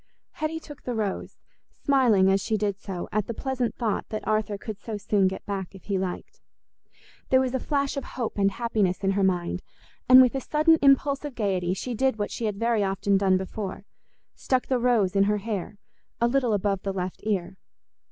Hetty took the rose, smiling as she did so at the pleasant thought that Arthur could so soon get back if he liked. There was a flash of hope and happiness in her mind, and with a sudden impulse of gaiety she did what she had very often done before—stuck the rose in her hair a little above the left ear.